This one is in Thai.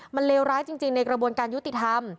มันเลวร้ายจริงในกระบวนการยุติธรรม